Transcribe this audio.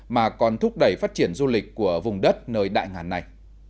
mà còn thúc đẩy phát triển du lịch của vùng đất nơi đại ngàn này